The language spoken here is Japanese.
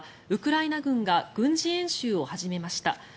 ウクライナ軍が軍事演習を始めました。